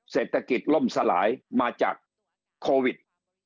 เศรษฐกิจล่มสลายมาจากโควิด